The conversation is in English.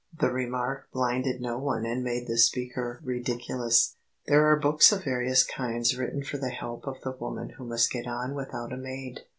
The remark blinded no one and made the speaker ridiculous. There are books of various kinds written for the help of the woman who must get on without a maid.